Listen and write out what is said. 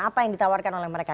apa yang ditawarkan oleh mereka